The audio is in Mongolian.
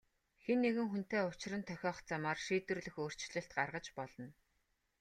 Хэн нэгэн хүнтэй учран тохиох замаар шийдвэрлэх өөрчлөлт гаргаж болно.